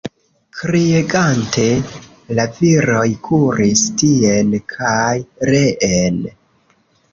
Kriegante, la viroj kuris tien kaj reen.